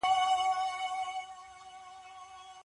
ایا تاسي نننۍ خبرپاڼه لوستې ده؟